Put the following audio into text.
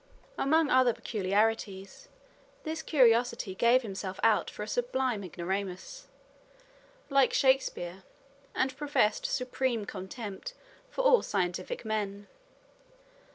Among other peculiarities, this curiosity gave himself out for a sublime ignoramus, "like Shakespeare," and professed supreme contempt for all scientific men.